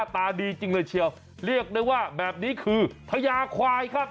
ตาขาว